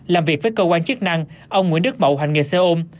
làm việc với cơ quan chức năng ông nguyễn đức mậu hành nghề xe ôm